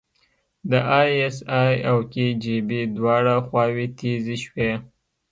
د ای اس ای او کي جی بي دواړه خواوې تیزې شوې.